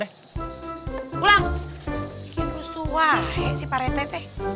kebosuan si pak rete